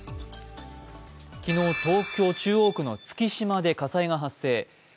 昨日東京・中央区の月島で火災が発生。